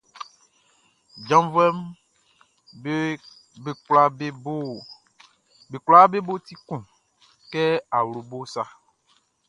Janvuɛʼm be kwlaa be bo ti kun kɛ awlobo sa.